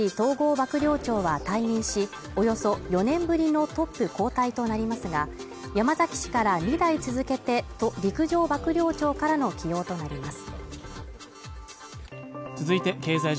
幕僚長は退任し、およそ４年ぶりのトップ交代となりますが、山崎氏から２代続けて陸上幕僚長からの起用となります。